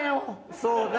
そうね。